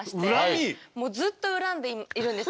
もうずっと恨んでいるんですよ。